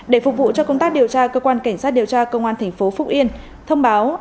để phục vụ cho công tác điều tra cơ quan cảnh sát điều tra công an thành phố phúc yên thông báo